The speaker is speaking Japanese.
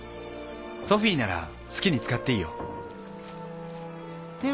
ソフィーなら好きに使っていいよ。